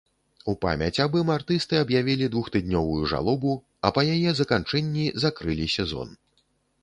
У памяць аб ім артысты аб'явілі двухтыднёвую жалобу, а па яе заканчэнні закрылі сезон.